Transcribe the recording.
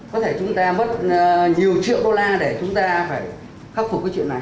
có thể chúng ta mất nhiều triệu đô la để chúng ta phải khắc phục cái chuyện này